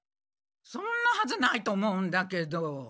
そんなはずないと思うんだけど。